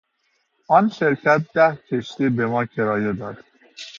آن شرکت ده کشتی بما کرایه داد.